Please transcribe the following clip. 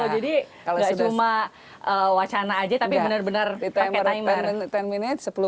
jadi gak cuma wacana aja tapi benar benar pakai timer